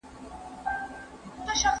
زېری راغی له هیواده چي تیارې به مو رڼا سي